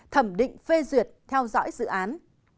thẩm định phê duyệt theo dõi dự án